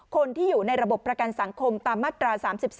คนที่อยู่ในระบบประกันสังคมตามมาตรา๓๒